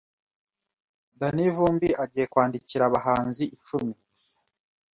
Danny Vumbi agiye kwandikira abahanzi icumi